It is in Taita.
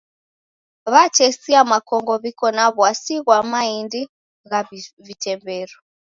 Watesia w'akongo w'iko na w'asi ghwa maindi gha vitemberu.